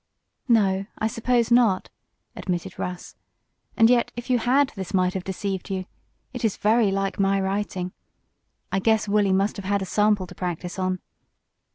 "No, I suppose not," admitted Russ. "And yet if you had been this might have deceived you. It is very like my writing. I guess Wolley must have had a sample to practice on."